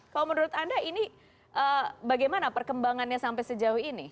kalau menurut anda ini bagaimana perkembangannya sampai sejauh ini